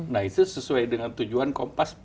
nah itu sesuai dengan tujuan kompas